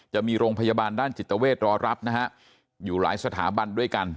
จะมีโรงพยาบาลด้านจิตเวทรอรับนะฮะอยู่หลายสถาบันด้วยกัน